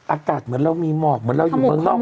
อากาศเหมือนเรามีหมอกเหมือนเราอยู่เมืองนอก